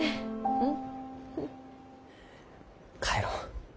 うん。